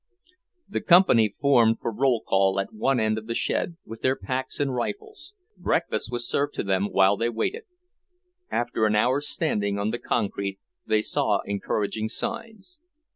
The company formed for roll call at one end of the shed, with their packs and rifles. Breakfast was served to them while they waited. After an hour's standing on the concrete, they saw encouraging signs.